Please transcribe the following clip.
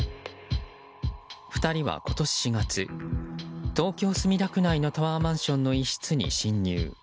２人は今年４月東京・墨田区内のタワーマンションの一室に侵入。